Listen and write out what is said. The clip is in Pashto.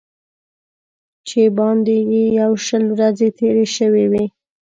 چې باندې یې یو شل ورځې تېرې شوې وې.